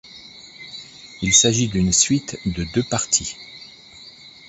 Il s’agit d’une suite de deux parties.